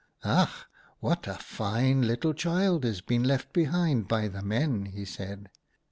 "' Ach, what a fine little child has been left behind by the men !' he said.